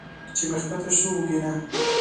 چې مې ښکته شو اوږې نه